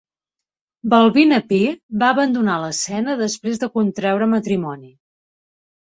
Balbina Pi va abandonar l'escena després de contreure matrimoni.